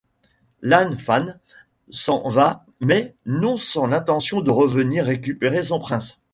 Lan fan s'en va mais, non sans l'intention de revenir récupérer son prince.